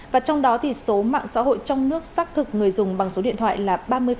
và trong đó số mạng xã hội trong nước xác thực người dùng bằng số điện thoại là ba mươi